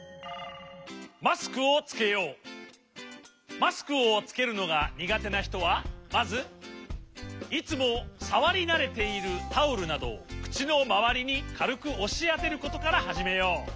マスクをつけるのがにがてなひとはまずいつもさわりなれているタオルなどをくちのまわりにかるくおしあてることからはじめよう。